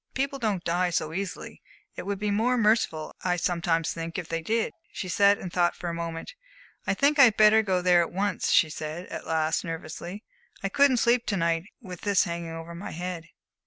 "People don't die so easily. It would be more merciful, I sometimes think, if they did." She sat and thought for a moment. "I think I had better go there at once," she said, at last, nervously. "I couldn't sleep to night with this hanging over my head."